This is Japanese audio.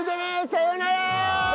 さようなら！